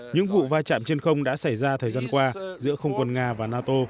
những vụ va chạm trên không đã xảy ra thời gian qua giữa không quân nga và nato